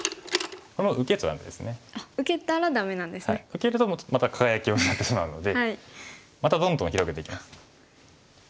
受けるとまた輝きを失ってしまうのでまたどんどん広げていきます。